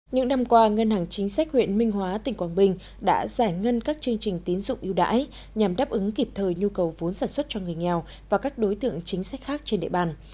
những năm qua ngân hàng chính sách huyện minh hóa tỉnh quảng bình đã giải ngân các chương trình tín dụng yêu đãi nhằm đáp ứng kịp thời nhu cầu vốn sản xuất cho người nghèo và các đối tượng chính sách khác trên địa bàn